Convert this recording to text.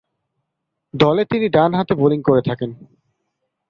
দলে তিনি ডানহাতে বোলিং করে থাকেন।